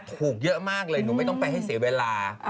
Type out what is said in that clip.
ถูกเยอะมากเลยหนูไม่ต้องไปให้เสียเวลา